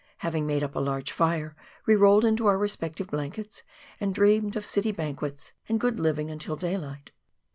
having made up a large fire, we rolled into our respective blankets, and dreamed of city banquets and good living until daylight.